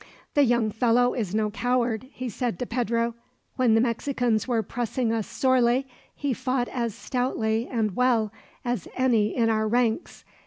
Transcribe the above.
"The young fellow is no coward," he said to Pedro. "When the Mexicans were pressing us sorely, he fought as stoutly and well as any in our ranks.